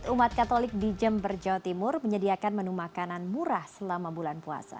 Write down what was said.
umat katolik di jember jawa timur menyediakan menu makanan murah selama bulan puasa